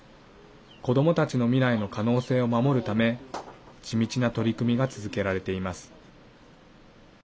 子どもたちの未来の可能性を守るため地道な取り組みが続けられています。